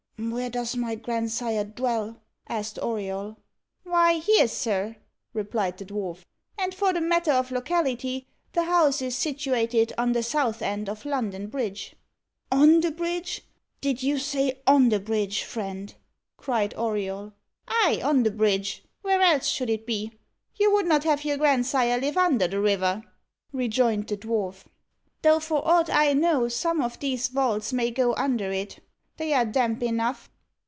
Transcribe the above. "Where does my grandsire dwell?" asked Auriol. "Why here, sir," replied the dwarf; "and for the matter of locality, the house is situated on the south end of London Bridge." "On the bridge did you say on the bridge, friend?" cried Auriol. "Ay, on the bridge where else should it be? You would not have your grandsire live under the river?" rejoined the dwarf; "though, for ought I know, some of these vaults may go under it. They are damp enough."